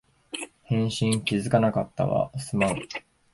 返信気づかなかったわ、すまん